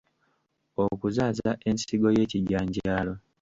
Okuzaaza ensigo ye kijanjaalo